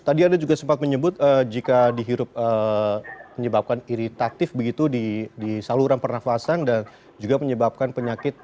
tadi anda juga sempat menyebut jika dihirup menyebabkan iritatif begitu di saluran pernafasan dan juga menyebabkan penyakit